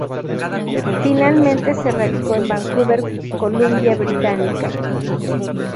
Finalmente, se radicó en Vancouver, Columbia británica.